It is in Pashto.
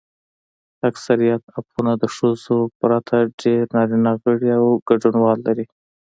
اکثریت اپونه د ښځو پرتله ډېر نارینه غړي او ګډونوال لري.